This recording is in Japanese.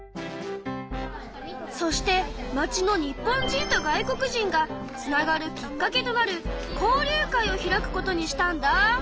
そして町の日本人と外国人がつながるきっかけとなる交流会を開くことにしたんだ。